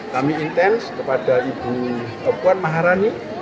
kami intens kepada ibu puan maharani